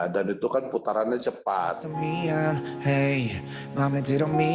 dan itu kan putarannya cepat